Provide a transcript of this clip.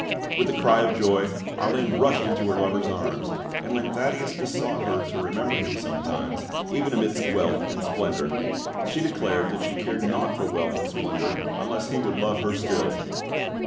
With a cry of joy, Arline rushed into her lover's arms, and when Thaddeus besought her to remember him sometimes, even amidst wealth and splendour, she declared that she cared naught for wealth and splendour unless he would love her still.